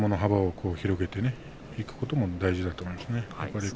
自分の相撲の幅を広げていくことも大事だと思います。